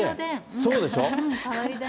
そうでしょ。